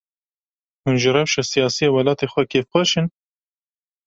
Hûn ji rewşa siyasî ya welatê xwe kêfxweş in?